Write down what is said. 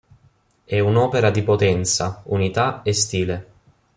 È un'opera di potenza, unità e stile".